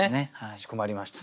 かしこまりました。